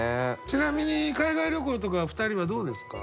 ちなみに海外旅行とかは２人はどうですか？